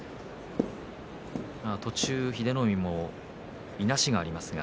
途中、英乃海もいなしがあります。